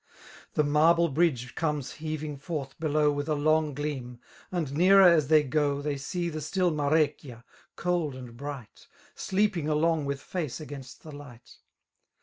The marble bridge comes heaving forth below With a long gleam; and nearer aA they go» 89 They see the still Marecchia, cold and bright. Sleeping along with face against the light.